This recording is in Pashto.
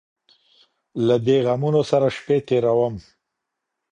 له دې غمـونـو ســـره شــپــې تــېــــروم